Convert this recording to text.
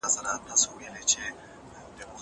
زه بازار ته نه ځم!